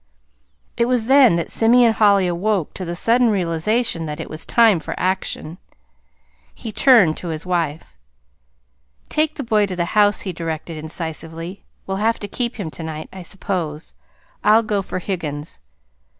It was then that Simeon Holly awoke to the sudden realization that it was time for action. He turned to his wife. "Take the boy to the house," he directed incisively. "We'll have to keep him to night, I suppose. I'll go for Higgins.